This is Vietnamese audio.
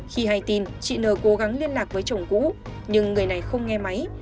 khi hay tin chị nờ cố gắng liên lạc với chồng cũ nhưng người này không nghe máy